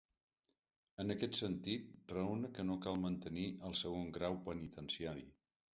En aquest sentit, raona que no cal mantenir el segon grau penitenciari.